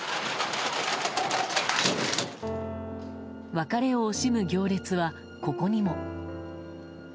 別れを惜しむ行列は、ここにも。